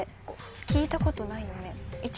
聞いたことないよね。